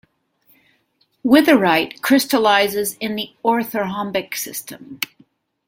Witherite crystallizes in the orthorhombic system.